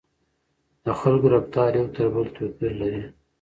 د خلکو رفتار یو تر بل توپیر لري.